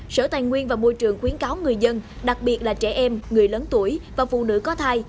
sở tài nguyên và môi trường khuyến cáo người dân đặc biệt là trẻ em người lớn tuổi và phụ nữ có thai